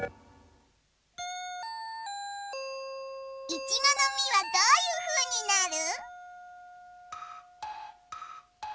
イチゴのみはどういうふうになる？